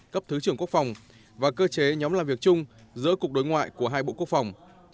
cấp thứ trưởng quốc phòng và cơ chế nhóm làm việc chung giữa cục đối ngoại của hai bộ quốc phòng